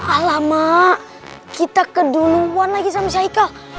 alamak kita keduluan lagi sama syahika